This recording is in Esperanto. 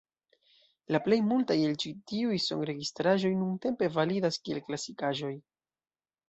La plej multaj el ĉi tiuj sonregistraĵoj nuntempe validas kiel klasikaĵoj.